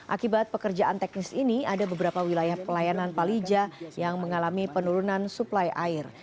akibat pekerjaan teknis ini ada beberapa wilayah pelayanan palija yang mengalami penurunan suplai air